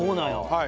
はい。